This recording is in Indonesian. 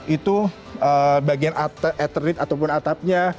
itu bagian atlet ataupun atapnya